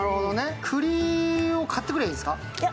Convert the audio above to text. くりを買ってくればいいんですか？